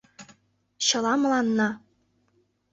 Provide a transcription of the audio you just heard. — Чыла мыланна.